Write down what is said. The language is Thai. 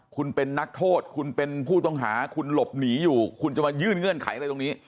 คุณเป็นนักโทษคุณเป็นผู้ต้องหาคุณหลบหนีอยู่คุณจะมายื่นเงื่อนไขอะไรตรงนี้